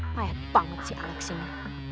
payat banget si alex ini